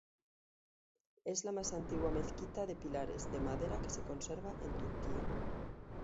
Es la más antigua mezquita de pilares de madera que se conserva en Turquía.